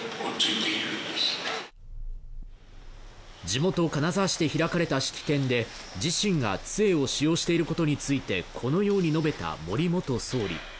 地元・金沢市で開かれた式典で自身がつえを使用していることについてこのように述べた森元総理。